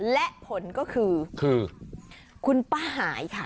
และผลก็คือคุณป้าหายค่ะ